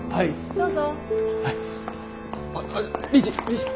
どうぞ。